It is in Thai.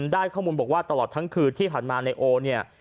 ได้ข้อมูลบอกว่าตลอดทั้งคืนที่ผ่านมานายโอเนี่ย